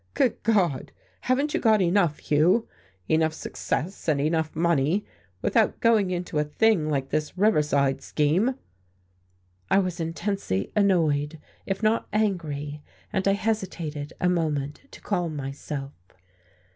Good God, haven't you got enough, Hugh, enough success and enough money, without going into a thing like this Riverside scheme?" I was intensely annoyed, if not angry; and I hesitated a moment to calm myself.